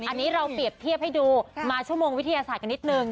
อันนี้เราเปรียบเทียบให้ดูมาชั่วโมงวิทยาศาสตร์กันนิดนึง